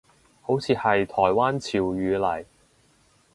好似係台灣潮語嚟